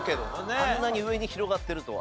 あんなに上に広がってるとは。